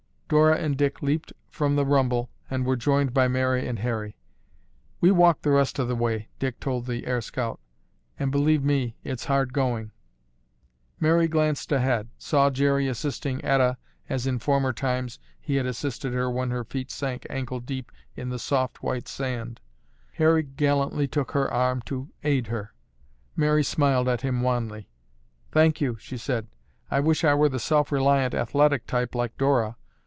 Dora and Dick leaped from the rumble and were joined by Mary and Harry. "We walk the rest of the way," Dick told the air scout, "and believe me it's hard going." Mary glanced ahead, saw Jerry assisting Etta as in former times he had assisted her when her feet sank ankle deep in the soft, white sand. Harry gallantly took her arm to aid her. Mary smiled at him wanly. "Thank you," she said. "I wish I were the self reliant athletic type like Dora.